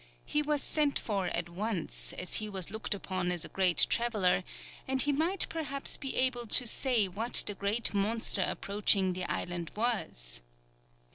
He was sent for at once, as he was looked upon as a great traveller, and he might perhaps be able to say what the great monster approaching the island was.